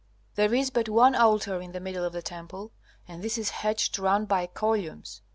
There is but one altar in the middle of the temple, and this is hedged round by columns.